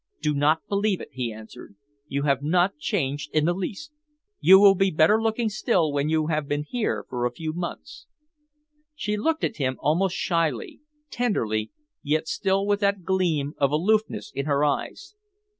"Do not believe it," he answered. "You have not changed in the least. You will be better looking still when you have been here for a few months." She looked at him almost shyly tenderly, yet still with that gleam of aloofness in her eyes.